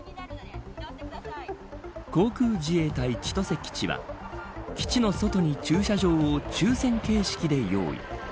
航空自衛隊、千歳基地は基地の外に駐車場を抽選形式で用意。